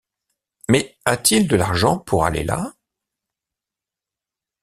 Mais a-t-il de l’argent pour aller là?